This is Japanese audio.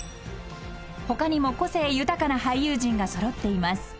［他にも個性豊かな俳優陣が揃っています］